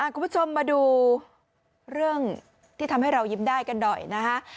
คุณผู้ชมมาดูเรื่องที่ทำให้เรายิ้มได้กันหน่อยนะฮะ